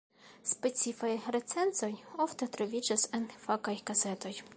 Specifaj recenzoj ofte troviĝas en fakaj gazetoj.